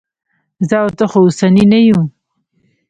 زه او ته خو اوسني نه یو.